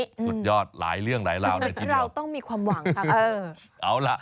สุดยอดหลายเรื่องหลายราวในที่เราต้องมีความหวังครับ